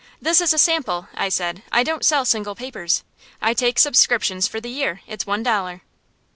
"This is a sample," I said; "I don't sell single papers. I take subscriptions for the year. It's one dollar."